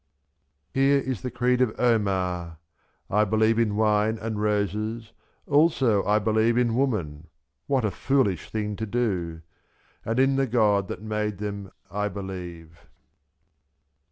Here is the creed of Omar : I believe In wine and roses, also I believe n^.ln woman (what a foolish thing to do !) And in the God that made them I believe.